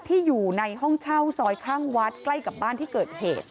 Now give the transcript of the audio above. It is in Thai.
ที่อยู่ในห้องเช่าซอยข้างวัดใกล้กับบ้านที่เกิดเหตุ